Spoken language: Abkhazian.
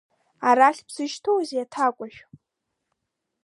Арахь бзышьҭоузеи аҭакәажә?